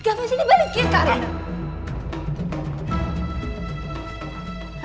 gavin sini balikin kak raina